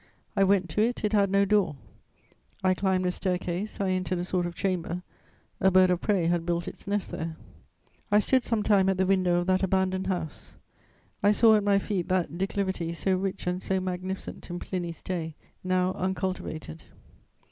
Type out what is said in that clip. I went to it, it had no door; I climbed a stair case, I entered a sort of chamber, a bird of prey had built its nest there.... "I stood some time at the window of that abandoned house. I saw at my feet that declivity, so rich and so magnificent in Pliny's day, now uncultivated."